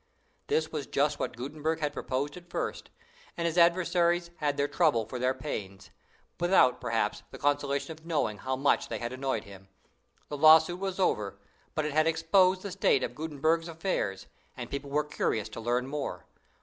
This was just what Gutenberg had proposed at first; and his adversaries had their trouble for their pains, without, perhaps, the consolation of knowing how much they had annoyed him. The lawsuit was over, but it had exposed the state of Gutenberg's affairs, and people were curious to learn more.